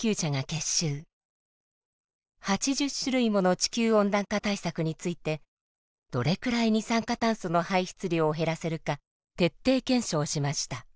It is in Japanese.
８０種類もの地球温暖化対策についてどれくらい二酸化炭素の排出量を減らせるか徹底検証しました。